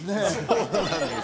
そうなんです